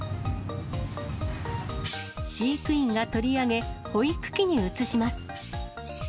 飼育員が取り上げ、保育器に移します。